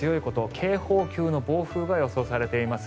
警報級の暴風が予想されています。